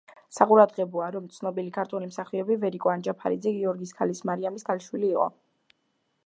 საყურადღებოა, რომ ცნობილი ქართველი მსახიობი ვერიკო ანჯაფარიძე გიორგის ქალის მარიამის ქალიშვილი იყო.